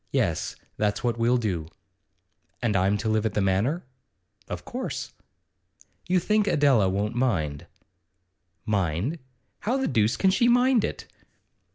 Yes; that's what we'll do.' 'And I'm to live at the Manor?' 'Of course.' 'You think Adela won't mind?' 'Mind? How the deuce can she mind it?